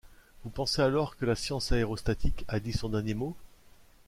Vous pensez alors que la science aérostatique a dit son dernier mot?